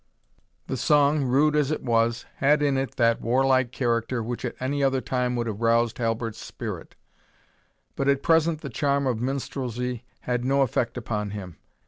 The song, rude as it was, had in it that warlike character which at any other time would have roused Halbert's spirit; but at present the charm of minstrelsy had no effect upon him.